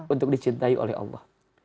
untuk dicintai oleh allah